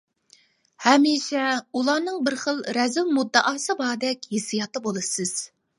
ھەمىشە ئۇلارنىڭ بىر خىل رەزىل مۇددىئاسى باردەك ھېسسىياتتا بولىسىز.